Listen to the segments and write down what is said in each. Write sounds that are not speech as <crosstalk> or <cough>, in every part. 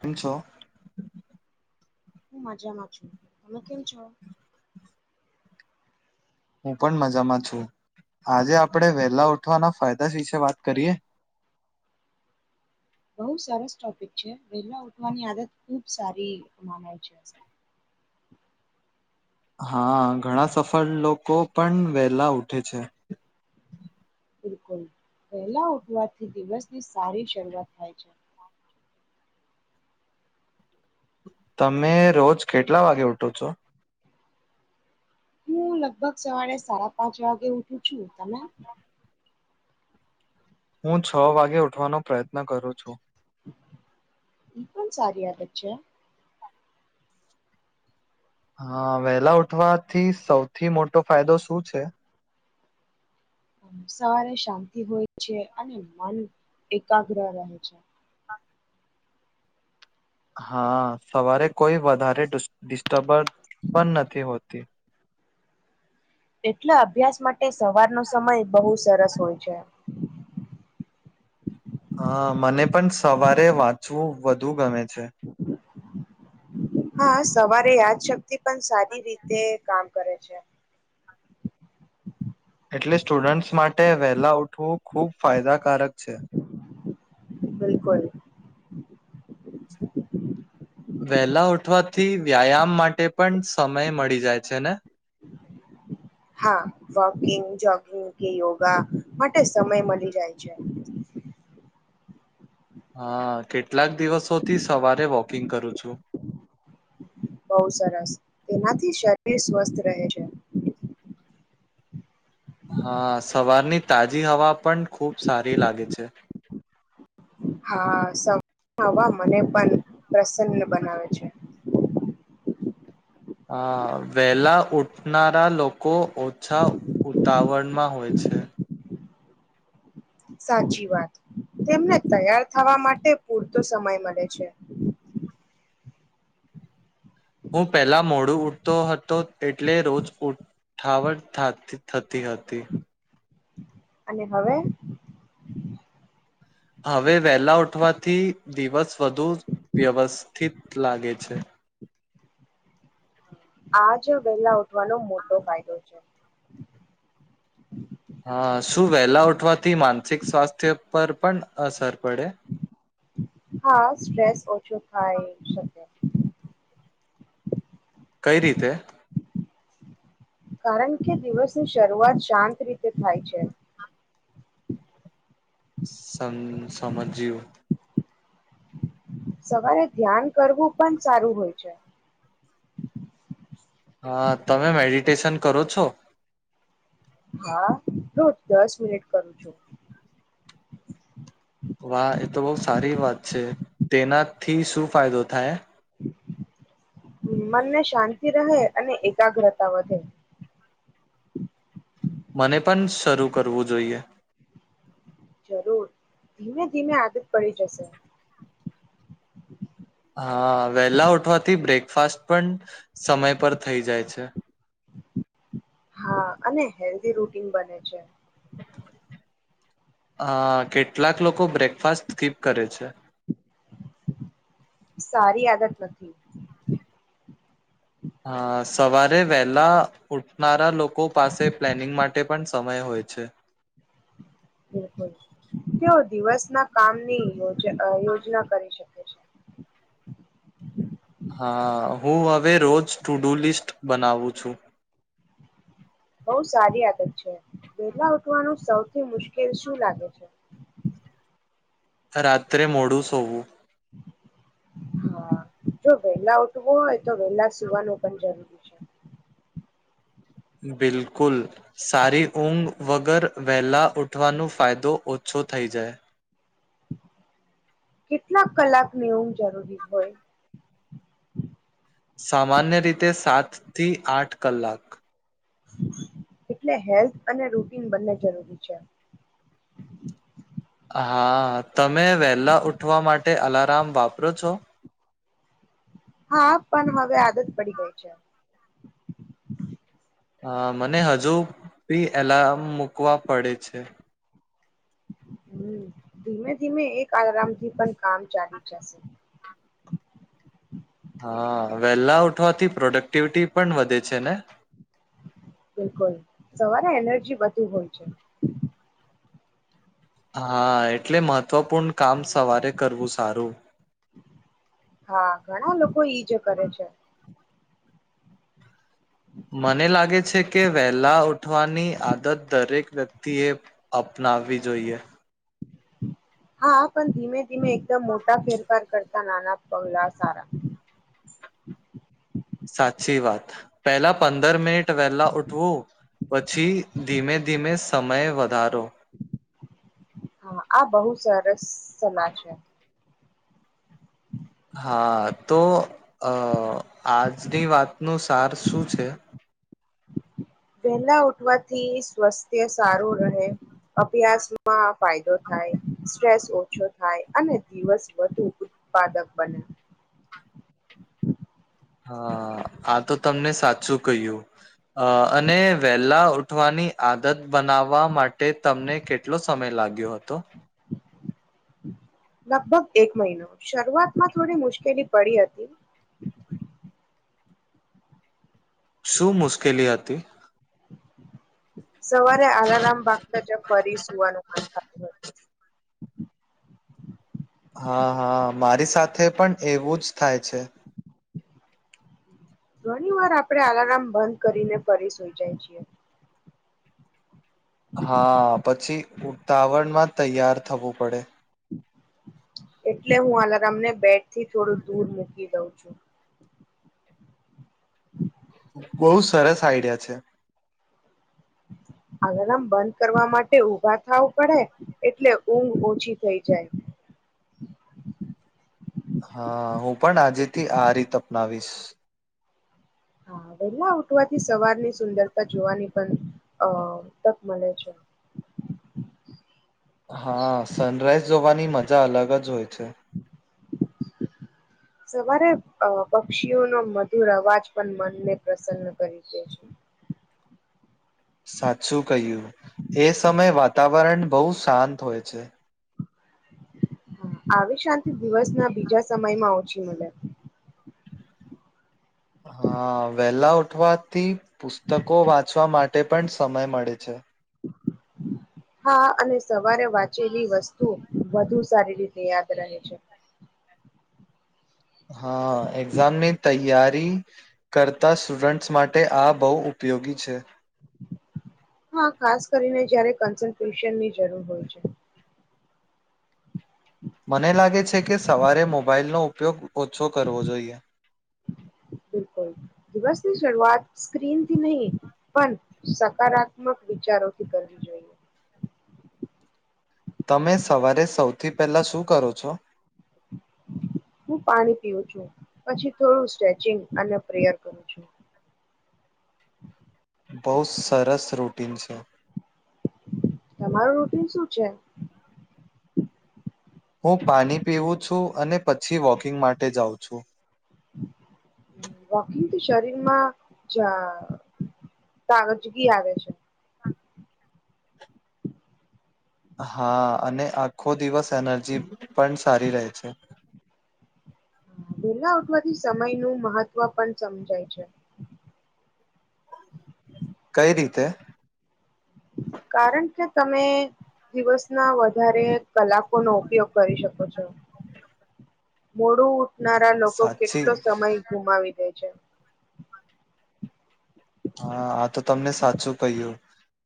તનસો હું મજામાં છું તમે કેમ છો? હું પણ મજામાં છું, આજે આપણે વેલા ઉઠવાના ફાયદા વિશે વાત કરીએ? બઉ સરસ ટોપિક છે વહેલા ઉઠવાની આદત ખુબ સારી માનાય છે હા ઘણા સફલ લોકો પણ વેલા ઊઠે છે બિલકુલ વહેલા ઉઠવા થી દિવસની સારી શરૂઆત થાય છે તમે રોજ કેટલા વાગે ઉઠો છો? હું લગભગ સવારે સાડા પાંચ વાગે ઉઠું છું તમે હું છ વાગે ઉઠવાનો પ્રયત્ન કરું છું ઈ પણ સારી વાત જ છે હા વેલા ઉઠવાથી સૌથી મોટો ફાયદો શું છે? સવારે શાંતિ હોય છે અને મન એકાગ્ર રહે છે હા સવારે કોઈ વધારે ડિસ્ટર્બન્સ પણ નથી હોતી એટલે અભ્યાસ માટે સવારનો સમય બહુ સરસ હોય છે. હા, મને પણ સવારે વાંચવું વધુ ગમે છે. હા, સવારે યાદ શક્તિ પણ સારી રીતે કામ કરે છે. એટલે સ્ટુડન્ટસ માટે વહેલા ઉઠવું ખુબ ફાયદા કારક છે. બિલકુલ. થી વ્યાયામ માટે પણ સમય મળી જાય છે ને? હા વોકિંગ જોગિંગ કે યોગા માટે સમય મળી જાય છે. હા કેટલાક દિવસોથી સવારે વોકિંગ કરું છું. બોવ સરસ તેનાથી શરીર સ્વસ્થ રહે છે. હા સવારની તાજી હવા પણ ખુબ સારી લાગે છે. હા સવા હવા મને પણ પ્રસન્ન બનાવે છે. અ વેલા ઉઠનારા લોકો ઓછા ઉતાવળમાં હોય છે. <inaudible> સાચી વાત તેમને તૈયાર થવા માટે પૂરતો સમય મળે છે. હું પહેલા મોડું ઉઠતો હતો એટલે રોજ ઉઠાવટતી થા થતી હતી. અને હવે હવે વેલા ઉઠવાથી દિવસ વધુ વ્યવસ્થિત લાગે છે આજ વેલા ઉઠવાનો મોટો ફાયદો છે હા શું વહેલા ઉઠવા થી માનસિક સ્વાસ્થ્ય પર પણ અસર પડે હા સ્ટ્રેસ ઓછો થઇ શકે કઈ રીતે કારણ કે દિવસની શરૂઆત શાંત રીતે થાય છે સન સમજ જેવુ સવારે ધ્યાન કરવું પણ સારું હોય છે હા તમે મેડિટેશન કરો છો હા રોજ દસ મિનિટ કરું છું વાહ એ તો બહ સારી વાત છે તેનાથી શું ફાયદો થાય મનને શાંતિ રહે અને એકાગ્રતા વધે મને પણ શરૂ કરવું જોઈએ જરૂર ધીમે-ધીમે આદત પડી જશે. હ હા વેલા ઉઠવાથી બ્રેકફાસ્ટ પણ સમય પર થઇ જાય છે. હા અને હેલ્ધી રૂટીન બને છે. હા કેટલાક લોકો બ્રેકફાસ્ટ સ્કિપ કરે છે. સારી આદત નથી. હા સવારે વહેલા ઉઠનારા લોકો <unintelligible> પાસે પ્લાનિંગ માટે પણ સમય હોય છે. બિલકુલ કેવ દિવસ ના કામની યોજ યોજના કરી શકે છે હા હું હવે રોજ ટુ ડુ લિસ્ટ બનાવું છું. બહુ સારી આદત છે વહેલા ઉઠવાનું સૌથી મુશ્કેલ શું લાગે છે? રાત્રે મોડું સોવું. હા જો વેલા ઉઠવું હોય તો વેલા સુવાનું પણ જરૂરી છે. બિલકુલ સારી ઊંઘ વગર વહેલા ઊઠવાનો ફાયદો ઓછો થઈ જાય. કેટલાક કલાકની ઉંગ જરૂરી હોય? સામાન્ય રીતે સાત થી આઠ કલાક. એટલે હેલ્થ અને રૂટિન બંને જરૂરી છે. હા તમે વહેલા ઉઠવા માટે અલારામ વાપરો છો? હા પણ હવે આદત પડી ગઈ છે. હા મને હજુ બી એલાર્મ મુકવા પડે છે. ધીમે ધીમે એક આરામથી પણ કામ ચાલી જશે. હા. વહેલા ઉઠવાથી પ્રોડક્ટિવિટી પણ વધે છે ને? બિલકુલ સવારે એનર્જી વધી હોય છે. હા એટલે મહત્વપૂર્ણ કામ સવારે કરવું સારું. હા ઘણા લોકો ઈજ કરે છે. મને લાગે છે કે વહેલા ઉઠવાની આદત દરેક વ્યક્તિએ અપનાવવી જોઈએ. હા પણ ધીમે-ધીમે એકદમ મોટા ફેરફાર કરતા નાના પગલા સારા. સાચી વાત પેલા પંદર મિનિટ વહેલા ઉઠવું પછી ધીમે-ધીમે સમય વધારો. હા આ બહુ સર રાસ સલાહ છે. હમ હા તો અ આજની વાતનું સાર શું છે? વેલા ઉઠવાથી સ્વાસ્થ્ય સારું રહે. અભ્યાસમાં ફાયદો થાય સ્ટ્રેસ ઓછો થાય અને દિવસ વધુ ઉત્પાદક બને હા આ તો તમને સાચું કહ્યું અ અને વેલા ઉઠવાની આદત બનાવવા માટે તમને કેટલો સમય લાગ્યો હતો લગભગ એક મહિનો શરૂઆતમાં થોડી મુશ્કેલી પડી હતી શું મુશ્કેલી હતી સવારે અલાર્મ વાગતા જ ફરી સુવાનુ મન થતું હોય હા હા મારી સાથે પણ એવું જ થાય છે ઘણી વાર આપણે અલાર્મ બંધ કરીને ફરી સોઈ જાય છીએ હા પછી ઉતાવળમાં તૈયાર થવું પડે એટલે હું અલાર્મને બેડથી થોડું દૂર મૂકી દઉં છું બહુ સરસ આઈડિયા છે અલાર્મને બંધ કરવા માટે ઉભા થાવ પડે એટલે ઊંઘ ઓછી થઈ જાય હા હું પણ આજેથી આ રીત અપનાવીશ હા વહેલા ઉઠવાથી સવારની સુંદરતા જોવાની પણ અ તક મળે છે હા સનરાઈઝ જોવાની માજા અલગ જ હોય છે સવારે પક્ષીઓનો મધુર અવાજ પણ મનને પ્રસન્ન કરી દે છે સાચું કહ્યું એ સમયે વાતાવરણ બહુ શાંત હોય છે આવી શાંતિ દિવસ ના બીજા સમયમાં ઓછી મળે હા વેલા ઉઠવાથી પુસ્તકો વાંચવા માટે પણ સમય મળે છે હા અને સવારે વાંચેલી વસ્તુ વધુ સારી રીતે યાદ રહે છે હા એક્ઝામની તૈયારી કરતા સ્ટુડન્ટસ માટે આ બહુ ઉપયોગી છે. હા ખાસ કરીને જયારે કન્સલ્ટ્રેશનની જરૂર હોય છે. મને લાગે છે, કે સવારે મોબાઈલનો ઉપયોગ ઓછો કરવો જોઈએ. બિલકુલ દિવસની શરૂઆત સ્ક્રીનથી નહીં પણ સકારાત્મક વિચારોથી કરવી જોઈએ તમે સવારે સૌથી પહેલા શું કરો છો હું પાણી પીવું છું પછી થોડું સ્ટ્રેચિંગ અને પ્રેયર કરું છું બહુ સરસ <unintelligible> તમારું રૂટીન શું છે હું પાણી પીવું છું અને પછી વોકિંગ માટે જાઉં છું વોકિંગ થી શરીરમાં તાગજગી આવે છે હા અને આખો દિવસ એનર્જી પણ સારી રહે છે વેલા ઉઠવાથી સમયનું મહત્વ પણ સમજાય છે કઈ રીતે કારણ કે તમે દિવસ ના વધારે કલાકો નો ઉપયોગ કરી શકો છો મોળું ઉટનારા લોકો કેટલો સાચી સમય ગુમાવી દે છે હા આા તો તમને સાચું કહ્યું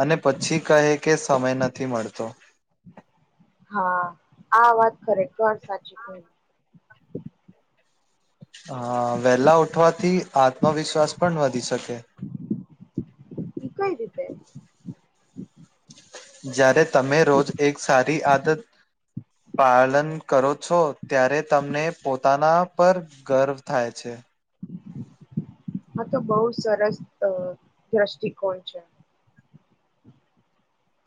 અને પછી કહે કે સમય નથી મળતો હા આ વાત ખરેખ સાચી કો હ વેલા ઉઠવાથી આત્મવિશ્વાસ પણ વધી શકે કઈ રીતે જ્યારે તમે રોજ એક સારી આદત પાલન કરો છો ત્યારે તમને પોતાના પર ગર્વ થાય છે આ તો બહુ સરસ દ્રષ્ટિકોણ છે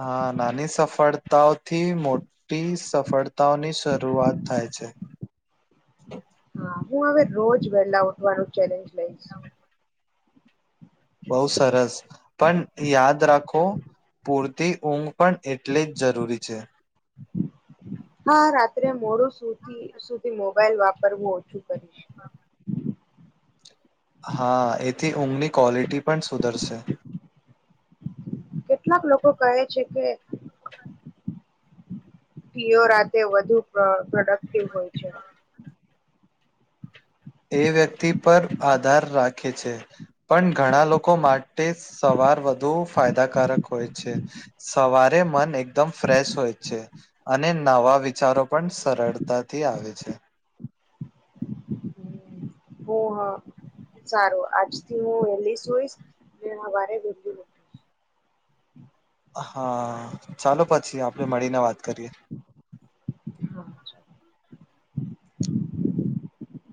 હા નાની સફળતાઓથી મોટી સફળતાઓની શરૂઆત થાય છે હા હું હવે રોજ વેલા ઉઠવાનું ચેલેન્જ પ બઉ સરસ પણ યાદ રાખો પૂર થી ઊંઘ પણ એટલે જ જરૂરી છે હા રાત્રે મોડું સુધી મોબાાઈલ વાપરવું ઓછું કરીશ હા એથી ઊંઘની ક્વોલિટી પણ સુધરશે કેટલાક લોકો કહે છે કે પીયો રાતે વધુ પ્રોડક્ટિવ હોય છે એ વ્યક્તિ પર આધાર રાખે છે પણ ઘણા લોકો માટે સવાર વધુ ફાયદાકારક હોય છે સવારે મન એકદમ ફ્રેશ હોય છે અને નવા વિચારો પણ સરળતાથી આવે છે હ હા સારું આજ થી હું વેલી સુઈશ સવારે વલી મકીશ હા ચાલો પછી આપડણે મળીને વાત કરીએ <inaudible>